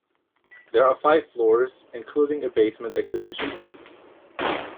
There are five floors, including a basement exhibition.